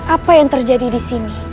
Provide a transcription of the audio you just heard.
apa yang terjadi di sini